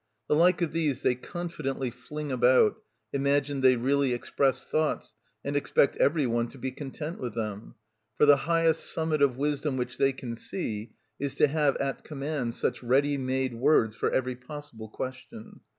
The like of these they confidently fling about, imagine they really express thoughts, and expect every one to be content with them; for the highest summit of wisdom which they can see is to have at command such ready made words for every possible question.